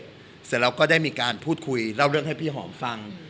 เสร็จแล้วก็ได้มีการพูดคุยเล่าเรื่องให้พี่หอมฟัง